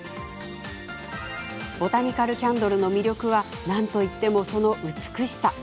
ボタニカルキャンドルの魅力はなんといっても美しさ。